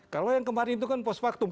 kalau yang kemarin itu kan post factum